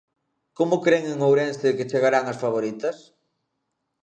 Como cren en Ourense que chegarán as favoritas?